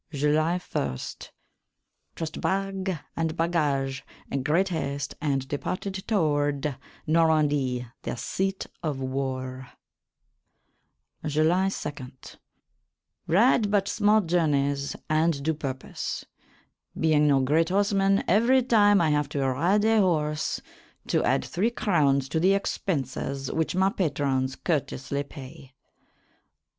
July 1. Trussed bagge and baggage in great hast and departed towarde Normandy, the seat of warre. July 2. Ryde but small journeys, and do purpose, being no great horseman, every time I have to ryde a horse, to add three crounes to the expenses which my patrons curtesly pay.